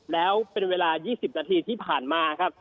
แล้วเป็นเวลา๒๐นาทีที่ผ่านมาครับ